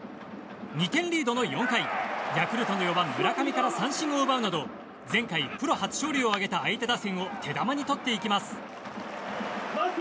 ２点リードの４回ヤクルトの４番、村上から三振を奪うなど前回プロ初勝利を得た打線を手玉に取っていきます。